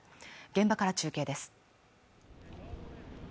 現場から中継です